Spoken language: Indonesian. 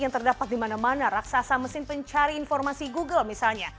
yang terdapat di mana mana raksasa mesin pencari informasi google misalnya